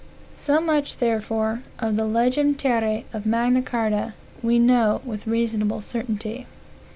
So much, therefore, of the legem terrae of Magna Carta, we know with reasonable certainty.